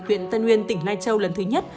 huyện tân nguyên tỉnh nai châu lần thứ nhất